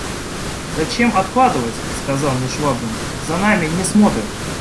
«Зачем откладывать? – сказал мне Швабрин, – за нами не смотрят.